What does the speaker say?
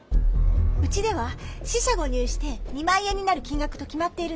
うちでは四捨五入して２万円になる金がくと決まっているんです。